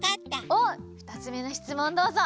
おっふたつめのしつもんどうぞ。